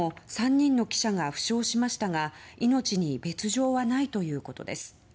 他にも３人の記者が負傷しましたが命に別条はないということです。